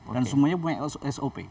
dan semuanya punya sop